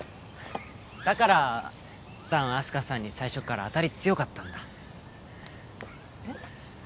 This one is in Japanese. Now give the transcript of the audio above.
だから弾あす花さんに最初っから当たり強かったんだえっ？